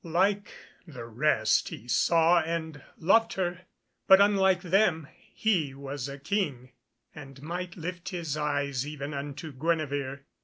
Like the rest he saw and loved her, but, unlike them, he was a King, and might lift his eyes even unto Guenevere.